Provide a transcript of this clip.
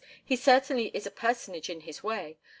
He certainly is a personage in his way.